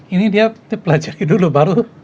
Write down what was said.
ini dia pelajari dulu baru